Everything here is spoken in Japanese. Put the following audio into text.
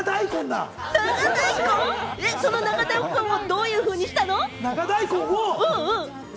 その長大根をどういうふうにしたの？